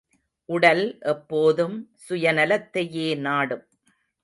உடல் எப்போதும் சுயநலத்தையே நாடும்.